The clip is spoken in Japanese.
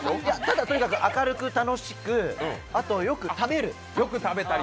だから明るく楽しくあと、よく食べる。